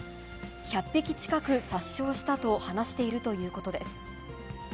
１００匹近く殺傷したと話しているということです。